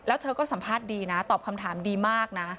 แล้วเธอก็สัมภาษณ์ดีนะตอบคำถามดีมากนะ